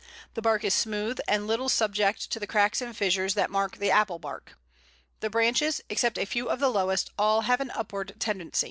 The bark is smooth, and little subject to the cracks and fissures that mark the Apple bark. The branches, except a few of the lowest, all have an upward tendency. [Illustration: _Pl. 107.